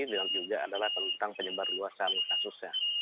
dan juga adalah penyebaran luasan kasusnya